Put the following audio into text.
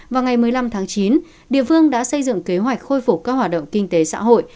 vào ngày một mươi năm tháng chín địa phương đã xây dựng kế hoạch khôi phục các hoạt động kinh tế xã hội